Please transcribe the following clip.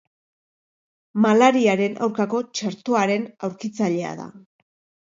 Malariaren aurkako txertoaren aurkitzailea da.